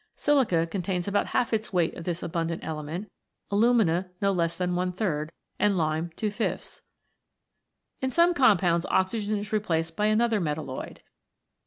Silica contains about half its weight of this abundant element ; alumina no less than one third ; and lime two fifths. In some compounds oxygen is replaced by another metalloid.